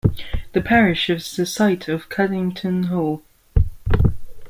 The parish is the site of Cuddington Hall.